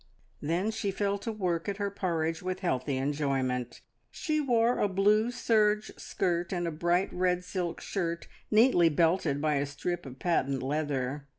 Then she fell to work at her porridge with healthy enjoyment. She wore a blue serge skirt and a bright, red silk shirt, neatly belted by a strip of patent leather.